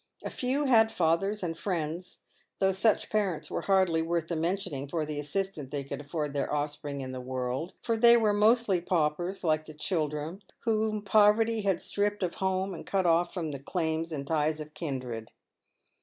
A few had fathers and friends; though such parents were hardly worth the mentioning for the assistance they could afford their offspring in the world, for they were mostly paupers, like the children, whom poverty had stripped of home and cut off from the claims and ties of kindred.